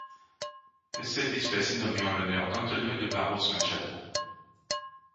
Cette espèce est nommée en l'honneur d'António de Barros Machado.